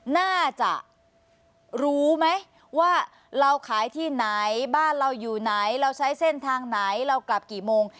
น่าจะรู้ไหมว่าเราขายที่ไหนบ้านเราอยู่ไหน